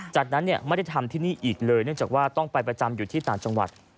จากนั้นไม่ได้ทำที่นี่อีกเลยเนื่องจากว่าต้องไปประจำอยู่ที่ต่างจังหวัด